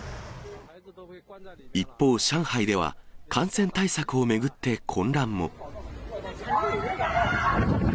一方、上海では、感染対策を巡って混乱も。